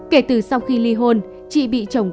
kể từ sau khi li hôn chị bị chồng